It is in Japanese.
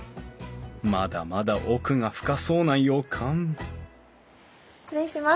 まだまだ奥が深そうな予感失礼します。